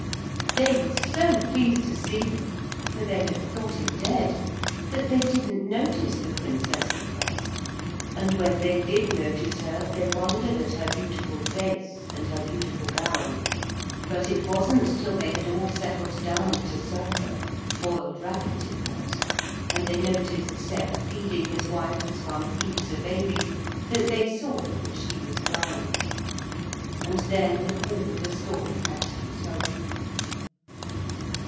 They were so pleased to see him for they had thought him dead, that they didn't notice the Princess at first, and when they did notice her they wondered at her beautiful face and her beautiful gown but it wasn't till they had all settled down to supper boiled rabbit it was and they noticed Sep feeding his wife as one feeds a baby that they saw that she was blind. And then all the story had to be told.